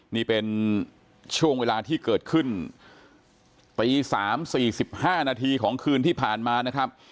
นี่เป็นช่วงเวลาที่เกิดขึ้นตี๓๔๕นาทีของคืนที่ผ่านมานะครับ